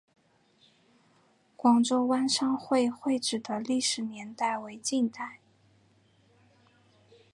广州湾商会会址的历史年代为近代。